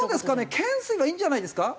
懸垂はいいんじゃないですか？